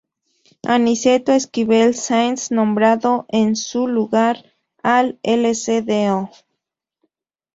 Aniceto Esquivel Sáenz, nombrando en su lugar al Lcdo.